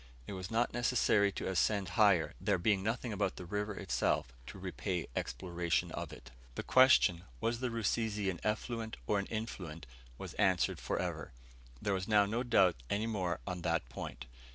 It was not necessary to ascend higher, there being nothing about the river itself to repay exploration of it. The question, "Was the Rusizi an effluent or an influent?" was answered for ever. There was now no doubt any more on that point.